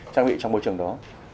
trang bị trong môi trường đó